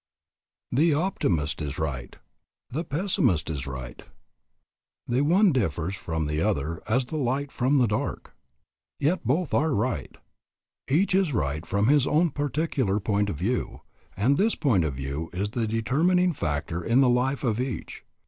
The optimist is right. The pessimist is right. The one differs from the other as the light from the dark. Yet both are right. Each is right from his own particular point of view, and this point of view is the determining factor in the life of each.